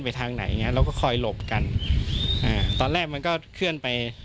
ทางไหนอย่างเงี้เราก็คอยหลบกันอ่าตอนแรกมันก็เคลื่อนไป